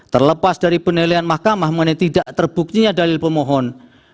terlepas dari penilaian mahkamah mengenai tidak terbuktinya dalil pemohon